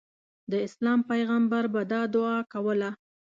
د اسلام پیغمبر به دا دعا کوله.